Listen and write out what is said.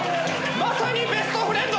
まさにベストフレンド！